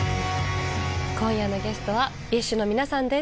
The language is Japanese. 今夜のゲストはＢｉＳＨの皆さんです。